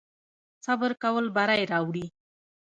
صبر کول بری راوړي